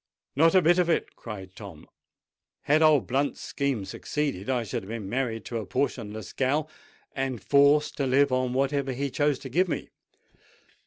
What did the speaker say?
"Not a bit of it!" cried Frank. "Had old Blunt's scheme succeeded, I should have been married to a portionless gal, and forced to live on whatever he chose to give me.